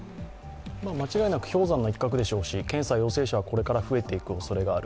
間違いなく氷山の一角でしょうし検査陽性者はこれから増えていくおそれがある。